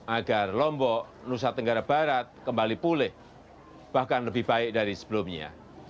agar lombok nusa tenggara barat kembali pulih bahkan lebih baik dari sebelumnya